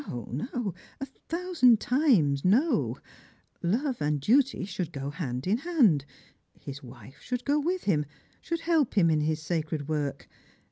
No, a thousand times no ! Love and duty should go haud in hand. His wife should go with him — should help him in his sacred work.